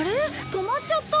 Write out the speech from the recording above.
止まっちゃった。